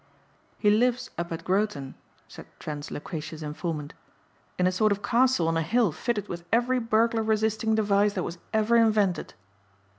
"He lives up at Groton," said Trent's loquacious informant, "in a sort of castle on a hill fitted with every burglar resisting device that was ever invented."